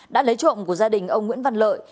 đã lấy trộm của gia đình ông nguyễn văn lợi